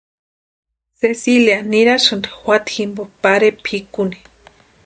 Cecilia nirasïnti juata jimpo pare pʼikuni.